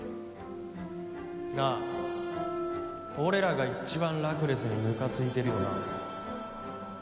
なあ俺らがいっちばんラクレスにムカついてるよな？